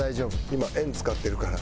今円使ってるから。